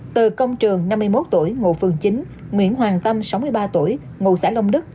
từ công trường năm mươi một tuổi ngộ phương chín nguyễn hoàng tâm sáu mươi ba tuổi ngộ xã lông đức